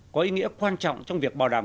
có ý nghĩa quan trọng trong việc bảo đảm